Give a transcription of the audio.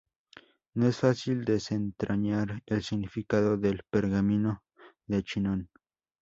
No es fácil desentrañar el significado del Pergamino de Chinon.